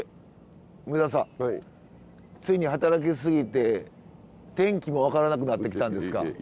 ついに働きすぎて天気も分からなくなってきたんですか？